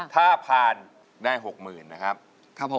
ถ้าผ่านได้๖หมื่นนะครับ